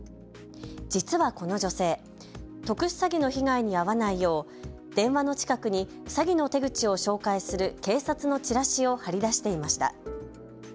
実は、この女性、特殊詐欺の被害に遭わないよう電話の近くに詐欺の手口を紹介する警察のチラシを張り出していました。